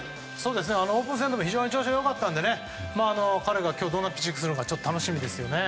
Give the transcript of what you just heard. オープン戦でも非常に調子良かったので彼が今日どんなピッチングをするのか気になりますよね。